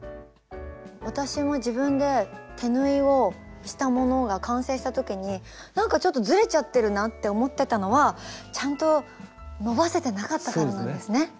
私も自分で手縫いをしたものが完成した時になんかちょっとずれちゃってるなって思ってたのはちゃんと伸ばせてなかったからなんですね。